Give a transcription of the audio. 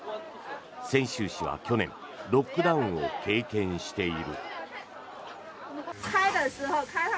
泉州市は去年ロックダウンを経験している。